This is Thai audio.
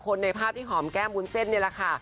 คนในภาพที่หอมแก้มวุ้นเซ็ตนี่ละค่ะ